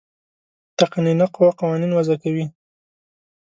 تقنینیه قوه قوانین وضع کوي.